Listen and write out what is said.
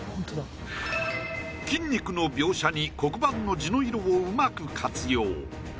筋肉の描写に黒板の地の色をうまく活用。